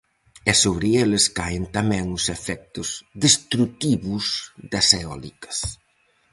E sobre eles caen tamén os efectos destrutivos das eólicas.